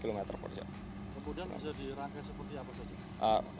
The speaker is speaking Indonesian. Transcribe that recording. kemudian bisa dirangkai seperti apa saja